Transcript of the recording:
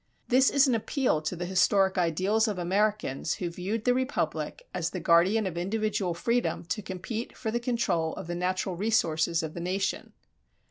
This is an appeal to the historic ideals of Americans who viewed the republic as the guardian of individual freedom to compete for the control of the natural resources of the nation.